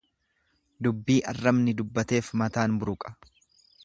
Dubbii arrabni dubbateef mataan buruqa.